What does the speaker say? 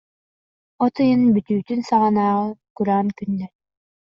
От ыйын бүтүүтүн саҕанааҕы кураан күннэр